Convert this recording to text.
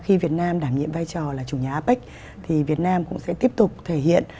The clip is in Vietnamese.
khi việt nam đảm nhiệm vai trò là chủ nhà apec thì việt nam cũng sẽ tiếp tục thể hiện